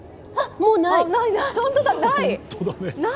もうない！